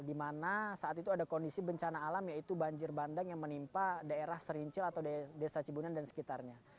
di mana saat itu ada kondisi bencana alam yaitu banjir bandang yang menimpa daerah serincil atau desa cibunan dan sekitarnya